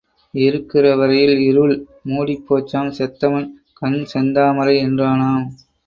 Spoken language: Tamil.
இருக்கிற வரையில் இருள் மூடிச் போச்சாம் செத்தவன் கண் செந்தாமரை என்றானாம்.